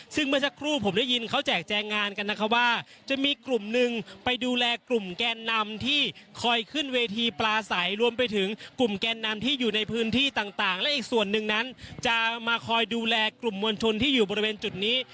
ซึ่งเมื่อสักครู่ผมได้ยินเขาแจกแจงงานกันนะคะว่าจะมีกลุ่มหนึ่งไปดูแลกลุ่มแกนนำที่คอยขึ้นเวทีปลาใสรวมไปถึงกลุ่มแกนนำที่อยู่ในพื้นที่ต่างและอีกส่วนหนึ่งนั้นจะมาคอยดูแลกลุ่มมวลชนที่อยู่บริเวณจุดนี้